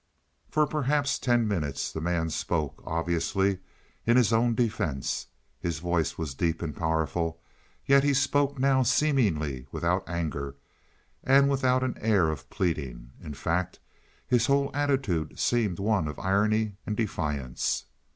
For perhaps ten minutes the man spoke, obviously in his own defence. His voice was deep and powerful, yet he spoke now seemingly without anger; and without an air of pleading. In fact his whole attitude seemed one of irony and defiance.